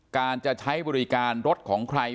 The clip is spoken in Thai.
การจะใช้บริการรถของใคร